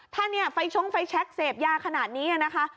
ถ้าเนี่ยไฟชงไฟแชคเสพยาขนาดนี้นะคะ